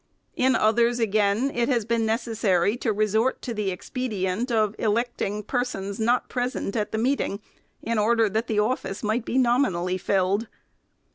In others, again, it has been necessary to resort to the expedient of electing persons not present at the meeting, in order that the office might be nominally filled.